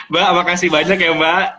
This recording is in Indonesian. mbak makasih banyak ya mbak